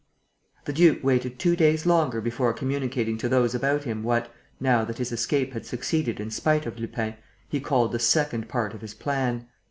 The duke waited two days longer before communicating to those about him what, now that his escape had succeeded in spite of Lupin, he called the second part of his plan.